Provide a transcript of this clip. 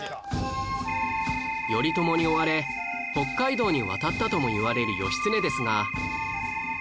頼朝に追われ北海道に渡ったともいわれる義経ですが